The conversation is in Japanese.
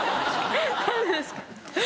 何でですか？